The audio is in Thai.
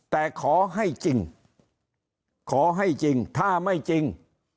แต่ขอให้จริงขอให้จริงถ้าไม่จริง